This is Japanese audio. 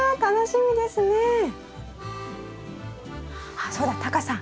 あっそうだタカさん